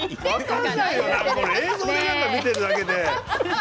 映像で見ているだけで。